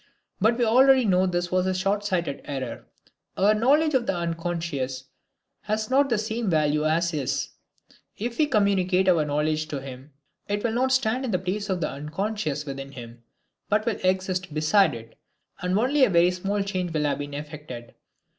But we already know this was a shortsighted error. Our knowledge of the unconscious has not the same value as his; if we communicate our knowledge to him it will not stand in place of the unconscious within him, but will exist beside it, and only a very small change will have been effected.